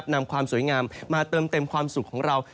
นำความสวยงามมาเติมเต็มความสุขของเรา